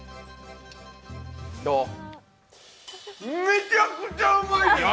めちゃくちゃうまいです！